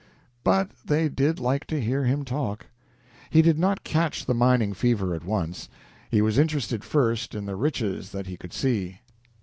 But they did like to hear him talk. He did not catch the mining fever at once. He was interested first in the riches that he could see.